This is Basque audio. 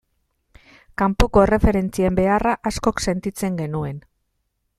Kanpoko erreferentzien beharra askok sentitzen genuen.